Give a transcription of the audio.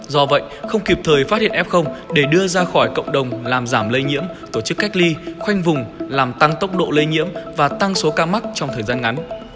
do vậy không kịp thời phát hiện f để đưa ra khỏi cộng đồng làm giảm lây nhiễm tổ chức cách ly khoanh vùng làm tăng tốc độ lây nhiễm và tăng số ca mắc trong thời gian ngắn